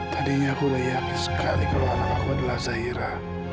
tadinya aku udah yakin sekali kalau anak aku adalah zahira